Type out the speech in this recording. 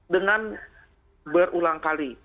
dengan berulang kali